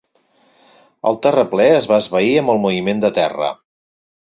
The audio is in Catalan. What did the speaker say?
El terraplè es va esvair amb el moviment de terra.